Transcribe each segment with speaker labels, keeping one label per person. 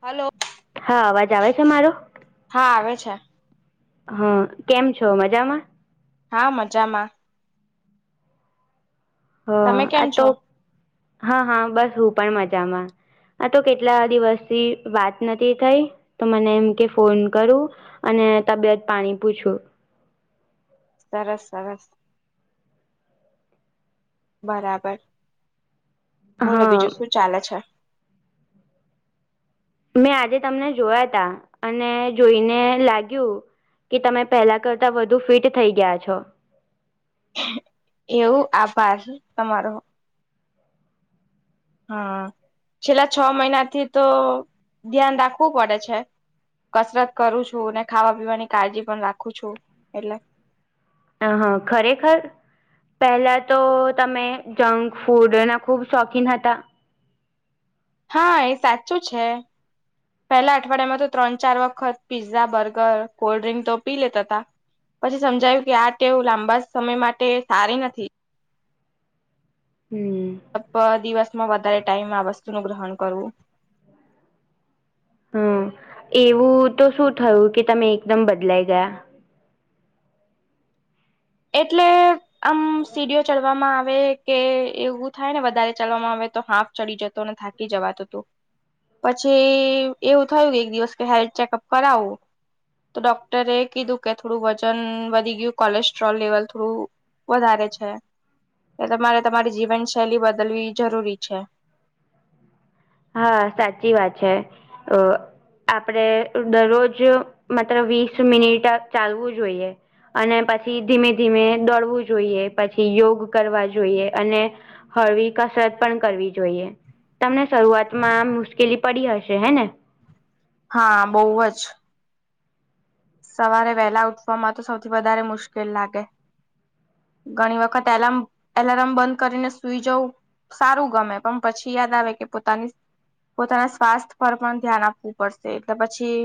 Speaker 1: Hello.
Speaker 2: હા અવાજ આવે છે મારો
Speaker 1: હા આવે છે.
Speaker 2: હા, કેમ છો મજામાં?
Speaker 1: હા મજામાં.
Speaker 2: હ
Speaker 1: તમે
Speaker 2: આજ
Speaker 1: કેમ
Speaker 2: તો
Speaker 1: છો
Speaker 2: હા હા બસ હું પણ મજામાં. હા તો કેટલા દિવસથી વાત નતી થઈ તો મને એમ કે ફોન કરું. અને તબિયત પાણી પૂછું.
Speaker 1: સરસ સરસ. બરાબર બોલો
Speaker 2: હા
Speaker 1: બીજું શું ચાલે છે?
Speaker 2: મેં આજે તમને જોયા તા અને જોઈને લાગ્યું કે તમે પહેલાં કરતાં વધુ ફિટ થઈ ગયા છો.
Speaker 1: એવું? આભાર તમારો. હા, છેલ્લા છ મહિનાથી તો ધ્યાન રાખવું પડે છે. કસરત કરું છું ને ખાવા પીવાની કાળજી પણ રાખું છું એટલે.
Speaker 2: અ હ ખરેખર? પહેલા તો તમે જંક ફૂડના ખુબ શોખીન હતા.
Speaker 1: હા એ સાચું છે. પેહલા અઠવાડિયામાં તો ત્રણ ચાર વખત પીઝા, બર્ગર, કોલ્ડ્રિંક તો પી લેતા તા. પછી સમજાયું કે આ ટેવ લાંબા સમય માટે સારી નથી.
Speaker 2: હમ્મ.
Speaker 1: દિવસમાં વધારે ટાઈમ આ વસ્તુનું ગ્રહણ કરવું.
Speaker 2: હમ્મ, એવું તો શું થયું કે તમે એકદમ બદલાઈ ગયાં?
Speaker 1: એટલે આમ સીડીઓ ચડવામાં આવે કે એવું થાય ને વધારે ચડવામાં આવે તો હાફ ચડી જતો ને થા કી જવાતું હતું પછી એવું થયું કે એક દિવસ કે હેલ્થ ચેકઅપ કરાઉ. તો ડોક્ટરે એ કીધું કે થોડું વજન વધી ગયું કોલેસ્ટ સ્ટ્રોલ લેવલ થોડું વધારે છે. તમારે તમારી જીવનશૈલી બદલવી જરૂરી છે.
Speaker 2: હા સાચી વાત છે અ આપડે દરરોજ માત્ર વીસ મિનિટ ચાલવું જોઈએ. અને પછી ધીમે ધીમે દોડવું જોઈએ, પછી યોગ કરવા જોઈએ અને હળવી કસરત પણ કરવી જોઈએ તમને શરૂઆતમાં આમ મુશ્કેલી પડી હશે હે ને?
Speaker 1: હા બવ જ. સવારે વહેલા ઉઠવામાં તો સૌથી વધારે મુશ્કેલ લાગે. ઘણી વખત એલાર્મ એલાર્મ બંધ કરીને સુઈ જવું સારું ગમે પણ પછી યાદ આવે કે પોતાની પોતાના સ્વાસ્થ પર પણ ધ્યાન આપવું પડશે એટલે પછી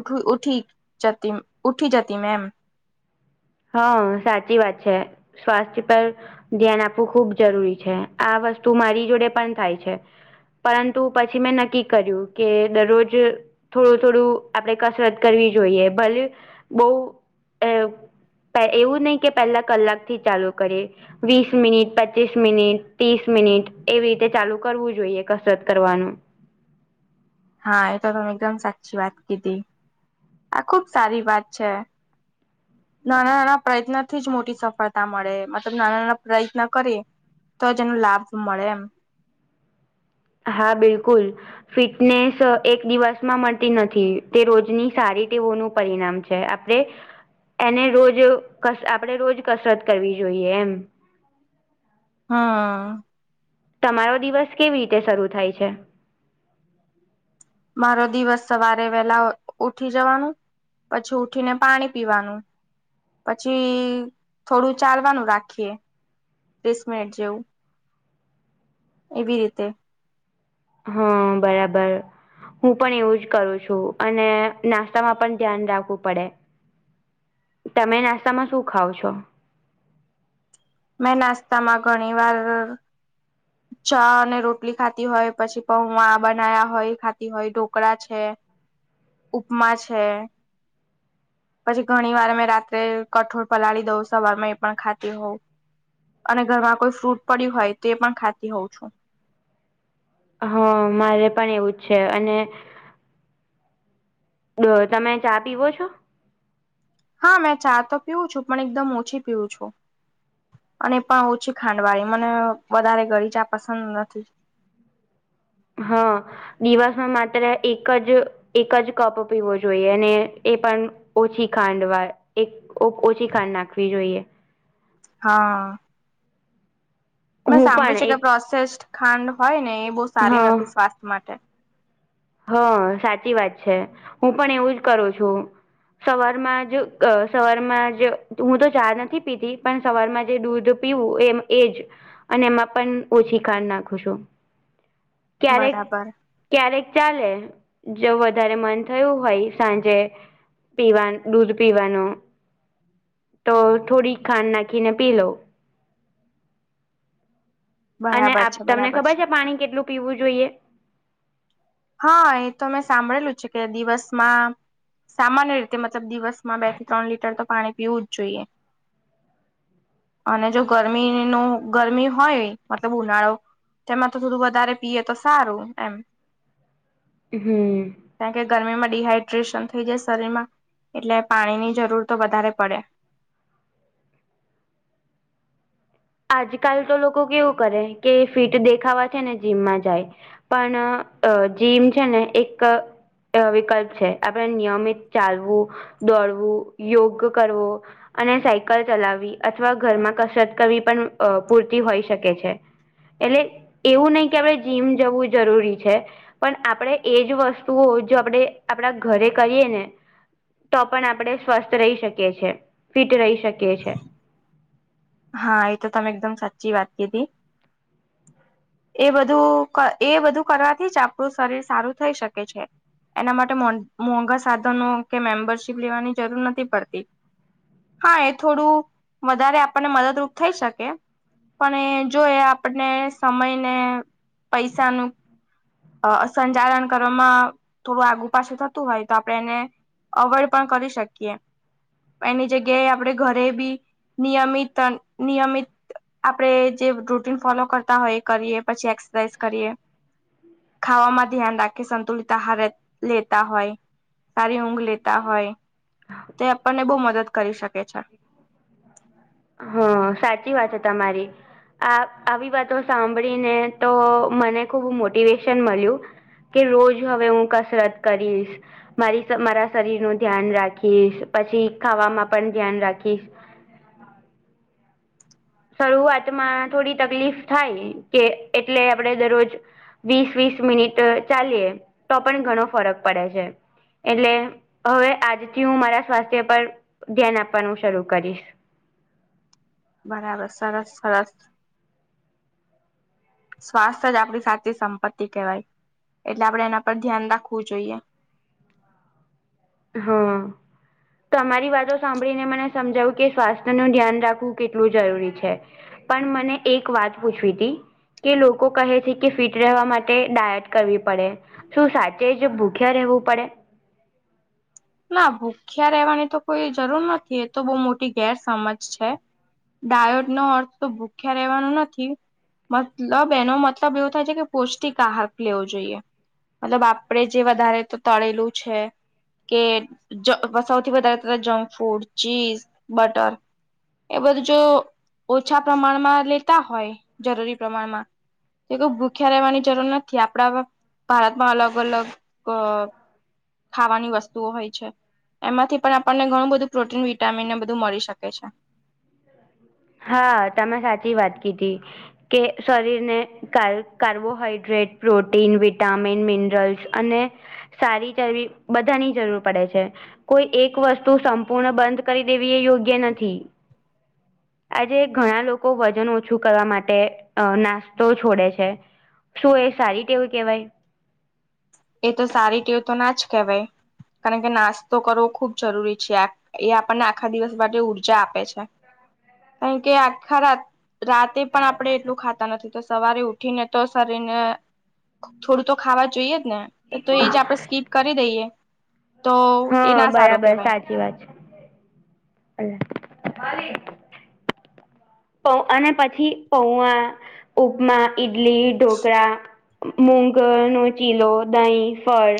Speaker 1: ઉઠ ઉઠી જતી ઉઠી જતી મેં એમ.
Speaker 2: હ સાચી વાત છે, સ્વાસ્થ્ય પર ધ્યાન આપવું ખૂબ જરૂરી છે આ વસ્તુ મારી જોડે પણ થાય છે. પરંતુ પછી મેં નક્કી કર્યું કે દરરોજ થોડું થોડું આપણેે કસરત કરવી જોઈએ ભલે બઉ અ એવું નઈ કે પહેલા કલાકથી ચાલુ કરીએ. વીસ મિનિટ, પચીસ મિનિટ, ત્રીસ મિનિટ એવી રીતે ચાલુ કરવું જોઈએ કસરત કરવાનું.
Speaker 1: હા એ તો તમે એકદમ સાચી વાત કીધી આ ખુબ સારી વાત છે. નાનાં-નાનાં પ્રયત્નથી જ મોટી સફળતા મળે મતલબ નાનાં-નાનાં પ્રયત્ન કરીએ. તો જ એનો લાભ મળે એમ.
Speaker 2: હા, બિલકુલ. ફિટનેસ એક દિવસમાં મળતી નથી તે રોજની સારી ટેવોનું પરિણામ છે. છે આપણે એને રોજ આપડે રોજ કસરત કરવી જોઈએ એમ.
Speaker 1: હા
Speaker 2: તમારો દિવસ કેવી રીતે શરૂુ થાય છે
Speaker 1: મારો દિવસ સવારે વહેલા ઉઠી જવાનું પછી ઉઠીને પાણી પીવાનું પછી થોડું ચાલવાનું રાખીએ ત્રીસ મિનિટ જેવું એવી રીતે
Speaker 2: હા બરાબર હું પણ એવું જ કરું છું અને નાસ્તામાં પણ ધ્યાન રાખવું પડે તમે નાસ્તામાં શું ખાવ છો
Speaker 1: મેં નાસ્તા માં ઘણી વાર ચા અને રોટલી ખાતી હોય પછી પૌવા બનાયા હોય ખાતી હોય ઢોકળા છે ઉપમા છે પછી ઘણી વાર મેમે રાત્રે કઠોળ પલાળી દઉં સવારમાં એ પણ ખાતી હોવ અને ઘરમાં કોઈ ફ્રૂટ પડ્યું હોય તો એ પણ ખાતી હોઉં છું
Speaker 2: હા મારે પણ એવું જ છે અને તમે ચા પીવો છો
Speaker 1: હા મેં ચા તો પીવું છું પણ એકદમ ઓછી પીવું છું અને પણ ઓછી ખાંડવાળી મને વધારે ગોળ ચા પસંદ નથી.
Speaker 2: હા દિવસમાં માત્ર એક જ એક જ કપ પીવો જોઈએ અને એ પણ ઓછી ખાંડ વા એક ઓછી ખાંડ નાખવી જોઈએ.
Speaker 1: હા મેં
Speaker 2: હું
Speaker 1: સાંભળ્યું
Speaker 2: પણ
Speaker 1: છે કે
Speaker 2: એક
Speaker 1: પ્રોસેસ્ ખાંડ હોય ને એ બહુ સારી નથી સ્વાસ્થ્ય માટે
Speaker 2: હ સાચી વાત છે હું પણ એવું જ કરું છું. સવારમાં જ સવારમાં જ હું તો ચા નથી પીતી પણ સવારમાં જે દૂધ પીવું એ એજ અને એમાં પણ ઓછી ખાન નાખું છું. ક્યારેક
Speaker 1: બરાબર
Speaker 2: ક્યારેક ચાલે જો વધારે મન થયું હોય સાંજે પીવા દૂધ પીવાનું તો થોડીક ખાંડ નાખીને પી લો અને
Speaker 1: બરાબર
Speaker 2: આપ
Speaker 1: છે
Speaker 2: તમને
Speaker 1: બરાબર
Speaker 2: ખબર છે પાણી કેટલું પીવું જોઈએ.
Speaker 1: હા એ તો મેં સાંભળેલું છે કે દિવસમાં સામાન્ય રીતે મતલબ દિવસમાં બે થી ત્રણ લીટર તો પાણી પીવું જ જોઈએ. અને જો ગરમી ન ગરમી હોય મતલબ ઉનાળો તેમાં તો થોડું વધારે પીએ તો સારું એમ
Speaker 2: હમ
Speaker 1: કારણ કે ગરમીમાં ડડીહાઈડ્રેશન થઈ જાય શરીર માં એટલે પાણી ની જરૂર તો વધારે પડે
Speaker 2: આજકાલ તો લોકો કેવું કરે કે ફિટ દેખાવા છે ને જીમમાં જાય પણ અ જીમ છે ને એક વિકલ્પ છે આપણે નિયમિત ચાલવું દોડવું યોગ કરવું અને સાયકલ ચલાવવી અથવા ઘરમાં કસરત કરવી પણ પૂરતી હોઈ શકે છે. એટલે એવું નહ કે આપણે જીમ જવું જરૂરી છે. પણ આપણેે એજ વસ્તુઓ જો આપણે આપણા ઘરે કરીએ ને તો પણ આપણે સ્વસ્થ રહી શકીએ છીએ ફિટ રહી શકીએ છ છેએ.
Speaker 1: હા એ તો તમે એકદમ સાચી વાત કીધી એ બધું એ બધું કરવાથી જ આપણું શરીર સારું થઈ શકે છે. એના માટે મો મોંઘા સાધનો કે મેમ્બરશીપ લેવાની જરૂર નથી પડતી. હા એ થોડું વધારે આપણને મદદરૂપ થઈ શકે પણ એ જોય આપને સમય ને પૈસાનુંું અ સંચાલન કરવામાં થોડું આગું પાછું થતું હોય તો આપડે એને અવોઈડ પણ કરી શકીએ એની જગ્યાએ આપડે ઘરે બી નિયમિત નિયમિત આપડે જે રૂટન ફોલો કરતા હોય, એ કરીએ પછી એક્સરસાઇઝ કરીએ ખાવામાં ધ્યાન રાખી સંતુલિત આહાર લેતા હોય, સારી ઊંઘ લેતા હોય તે આપણને બહુ મદદ કરી શકે છે.
Speaker 2: હા સાચી વાત છે, તમારી આ આવી વાતો સાંભળીને તો મને ખુબ મોટિવેશન મળ્યું કે રોજ હવે હું કસરત કરીશ મારી મારા શરીર નું ધ્યાન રાખીશ પછી, ખાવામાં પણ ધ્યાન રાખીશ શરૂઆતમાં થોડી તકલીફ થાય કે એટલે, આપડે દરરોજ વીસ, વીસ મિનિટ ચાલીએ તો પણ ઘણો ફરક પડે છે. એટલે હવે આજથી, હું મારા સ્વાસ્થ્ય પર ધ્યાન આપવાનું શરૂ કરીશ
Speaker 1: બરાબર સરસ સરસ સ્વાસ્થ્ય જ આપણી સાચી સંપત્તિ કહેવાય એટલે, આપડે એના પર ધ્યાન રાખવું જોઈએ.
Speaker 2: હમ. તમારી વાતો સાંભળીને મને સમજાવું કે, સ્વાસ્થ્ય નું ધ્યાન રાખવું કેટલું જરૂરી છે. પણ, મને એક વાત પૂછવી હતી. કે લોકો કહે છે કે ફિટ રહેવા માટે ડાયટ કરવી પડે શું સાચે જ ભૂખ્યા રહેવું પડે
Speaker 1: ના ભૂખ્યા રહેવાની તો કોઈ જરૂર નથી, એ તો બહુ મોટી ગેરસમજ છે. ડાયોટ નો અર્થ તો ભૂખ્યા રહેેવાનો નથી. મતલબ એનો મતલબ એવો થાય છે, કે પૌષ્ટિક આહાર લેવો જોઈએ મતલબ આપડે જે વધારે તો તળેલું છે. કે જ સૌથી વધારે જંક ફૂડ, ચીઝ, બટર એ બધુ જો ઓછા પ્રમાણમાં લેતા હોય, જરૂરી પ્રમાણમાં એ કવ ભૂખ્યા રહેવાની જરૂર નથી, આપડા ભારતમાં અલગ અલગ ખાવાની વસ્તુ તોહોય છે, એમાંથી પણ આપણને ઘણું બધું પ્રોટીન વિટામીન એ બધું મળી શકે છે.
Speaker 2: હા તમે સાચી વાત કીધી કે શરીરને કાલ કાર્બોહાઈડ્રેટ, પ્રોટીન, વિટામિન, મિનરલ્સ, અને સારી ચરવી બધાની જરૂર પડે છે. કોઈ એક વસ્તુ સંપૂર્ણ બંધ કરી દેવી એ યોગ્ય નથી. આજે ઘણા લોકો વજન ઓછું કરવા માટે નાસ્તો છોડે છે. શું એ સારી ટેવ કહેવાય
Speaker 1: એ તો સારી ટેવ તો ના જ કહેવાય કારણ કે, નાસ્તો કરવો ખૂબ જરૂરી છે. કારણ કે, એ આપણને આખા દિવસ અને રાત ઉર્જા આપે છે. રાતે પણ આપણે એટલું ખાતા નથી તો, સવારે ઉઠીને તો શરીરને થોડું તો ખાવા જોઈએ જ ને તો, એ જ આપણે સ્કીપ કરી દઈએ તો એ ના સારું કહેવાય
Speaker 2: શી વાત છે. અલી પૌવા, ઉપમા, ઈડલી, અને પછી ઢોકળા મુગ નો ચીલો દહીં ફળ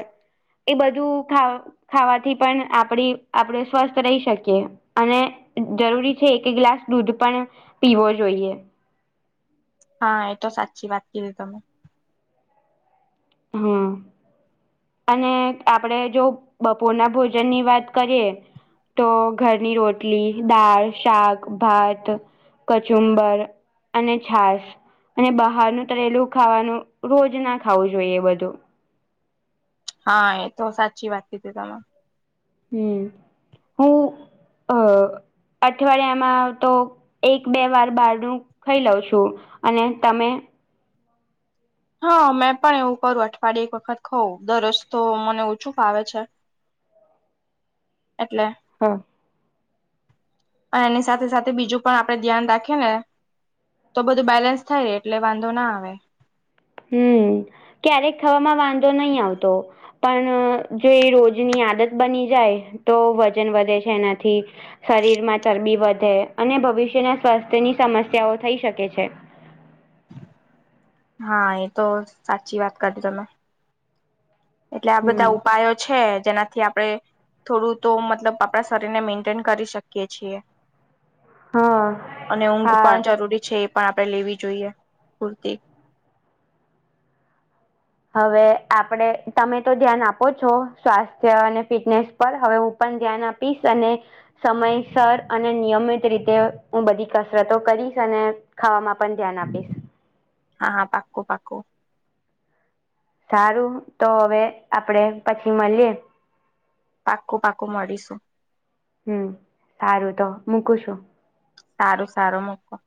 Speaker 2: એ બધું ખાવ આ બધું ખાવાથી પણ આપડે સ્વસ્થ રહી શકીએ અને જરૂરી છે, એક ગ્લાસ દૂધ પણ પીવો જોઈએ
Speaker 1: હા, એ તો સાચી વાત કીધી તમે
Speaker 2: હમ. અને આપણેે જો બપોરના ભોજન ની વાત કરીએ દાળ, શાક, ભાત, અને ઘરની, રોટલી કચુંબર અને છાસ બહારનું તરેલું ખાવાનું બઘું રોજ ના ખાવું જોઈએ
Speaker 1: હા એ તો સાચી વાત કીઘી હતી તમે.
Speaker 2: હમ્મ હૂ અ અઠવાડિયામાં તો એક બે વાર બહારનું હુ ખાઈ લઉં છું અને તમે.
Speaker 1: હા મેં પણ એવું કરું અઠવાડિયે એક વખત ખાવ દરરોજ તો મને ઓછું ભાવે છે. એટલે.
Speaker 2: હા.
Speaker 1: અને એની સાથે સાથે બીજું પણ આપણે ધ્યાન રાખીએ ને તો બધું બેલેન્સ થાય એટલે વાંઘો ના આવે.
Speaker 2: હુ ક્યારેક ખવામાં વાંધો નહી આવતો. પણ જો એ રોજની આદત બની જાય તો વજન વધે છે એનાથી. શરીરમાં ચરબી વઘે અને ભવિષ્યના સ્વાસ્થ્યની સમસ્યાઓ થઈ શકે છે.
Speaker 1: હા એ તો સાચી વાત કરી તમે. એટલે આ
Speaker 2: હમ
Speaker 1: બધા ઉપાયો છે જે ના કે આપડે થોડું તો મતલબ આપણા શરીરને મેન્ટેન તો કરી શકીએ છીએ.
Speaker 2: હા
Speaker 1: અને ઊંઘ
Speaker 2: હા
Speaker 1: પણ જરૂરી છે એ પણ આપણે લેવી જોઈએ પૂરતી.
Speaker 2: હવે આપણે તમે તો ધ્યાન આપો છો સ્વાસ્થ્ય અને ફિટનેસ પણ હવે હું પણ ધ્યાન આપીશ અને સમયસર અને નિયમિત રીતે હું બધી કસરતો કરીશ અને ખાવામાં પણ ધ્યાન આપીશ.
Speaker 1: હા પાકું પાકું.
Speaker 2: સારું તો હવે આપણે પછી મળીએ.
Speaker 1: પાકો પાકો મળીશું.
Speaker 2: હમ્મ સારું તો મૂકું છું.
Speaker 1: સારું સારું મૂકો.